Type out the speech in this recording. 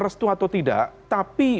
restu atau tidak tapi